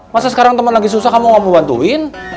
masa sekarang temen lagi susah kamu nggak mau bantuin